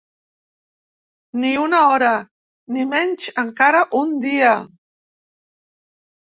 Ni una hora, ni menys encara un dia.